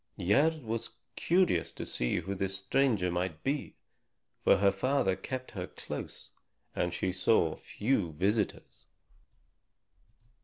Gerd was curious to see who this stranger might be; for her father kept her close and she saw few visitors.